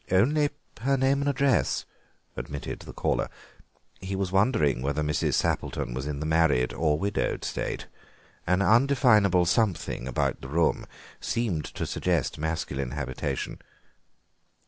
"Only her name and address," admitted the caller. He was wondering whether Mrs. Sappleton was in the married or widowed state. An undefinable something about the room seemed to suggest masculine habitation.